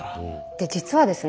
で実はですね